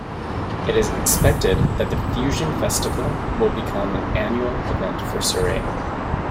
It is expected that the Fusion Festival will become an annual event for Surrey.